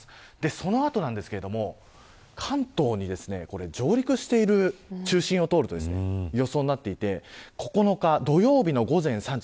その後ですが中心を通ると、関東に上陸している予想になっていて９日土曜日の午前３時